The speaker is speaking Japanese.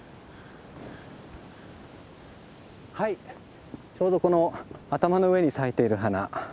はいちょうどこの頭の上に咲いている花。